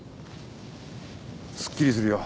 すっきりするよ。